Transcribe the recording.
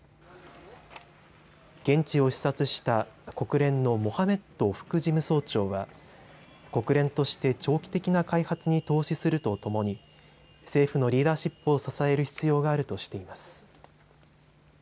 現地を視察した国連のモハメッド副事務総長は国連として長期的な開発に投資するとともに政府のリーダーシップを支える必要があるとしています。